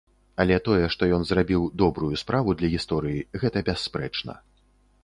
Але тое, што ён зрабіў добрую справу для гісторыі, гэта бясспрэчна.